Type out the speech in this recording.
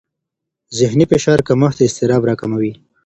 ذهني فشار کمښت اضطراب راکموي.